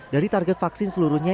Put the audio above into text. dari target vaksin seluruhnya